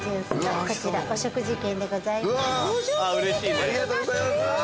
ありがとうございます。